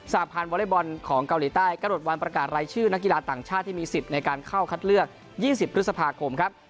หพันธ์วอเล็กบอลของเกาหลีใต้กระหนดวันประกาศรายชื่อนักกีฬาต่างชาติที่มีสิทธิ์ในการเข้าคัดเลือก๒๐พฤษภาคมครับ